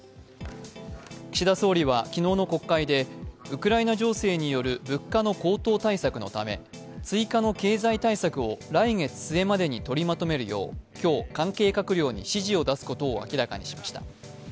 岸田総理は、昨日の国会でウクライナ情勢による物価の高騰対策のため追加の経済対策を来月末までに取りまとめるよう今日、関係閣僚に指示を出すことを明らかにしました。